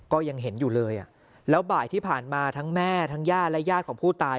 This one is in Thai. ก็ยังเห็นอยู่เลยอ่ะแล้วบ่ายที่ผ่านมาทั้งแม่ทั้งญาติและญาติของผู้ตาย